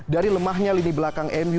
dari lemahnya lini belakang any